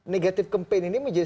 negatif kampanye ini menjadi